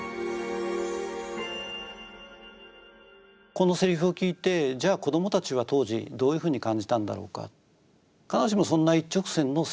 このセリフを聞いてじゃあ子どもたちは当時どういうふうに感じたんだろうか。